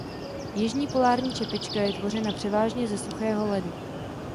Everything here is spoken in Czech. Jižní polární čepička je tvořena převážně ze suchého ledu.